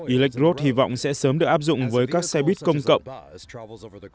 elecros hy vọng sẽ sớm được áp dụng với các xe buýt công cộng